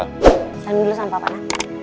salam dulu sama papa